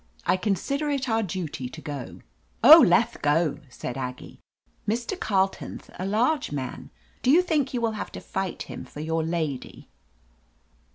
I con sider it our duty to go." "Oh, leth go !" said Aggie. "Mr. Carletonth a large man. Do you think you will have to fight him for your lady